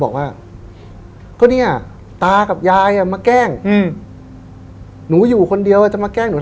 บอกว่าก็เนี่ยตากับยายอ่ะมาแกล้งอืมหนูอยู่คนเดียวจะมาแกล้งหนู